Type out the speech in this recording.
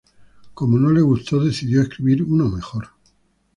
Como no le gustó, decidió escribir uno mejor.